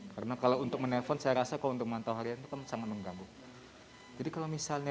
karena kalau untuk menelepon saya rasa kalau untuk memantau harian itu kan sangat menggambung